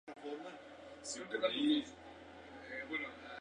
Permanece así hasta la segunda guerra mundial.